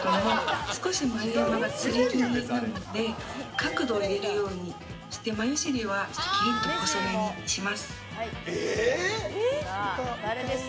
少し眉毛がつり気味なので角度を入れるようにして眉尻はきりっと細めにします。